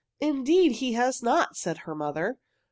"Indeed he has not!" said her mother.